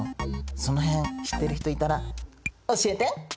その辺知ってる人いたら教えて！